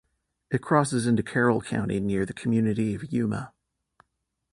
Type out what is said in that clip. It crosses into Carroll County near the community of Yuma.